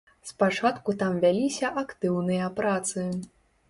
Спачатку там вяліся актыўныя працы.